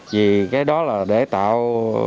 vì cái đó là để tạo